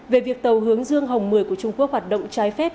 về việc tàu hướng dương hồng một mươi của trung quốc hoạt động trái phép